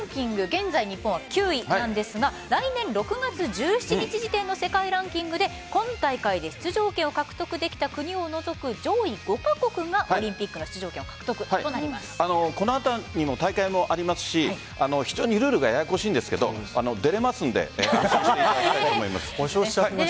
現在、日本は９位なんですが来年６月１７日時点の世界ランキングで今大会で出場権を獲得できた国を除く上位５カ国がオリンピックの出場権をこの後も大会ありますし非常にルールがややこしいんですけど出れますので安心していただきたいと思います。